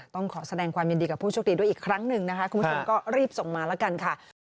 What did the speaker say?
ต้องขอแสดงความยินดีกับผู้โชคดีด้วยอีกครั้งหนึ่งนะคะคุณผู้ชมก็รีบส่งมาแล้วกันค่ะ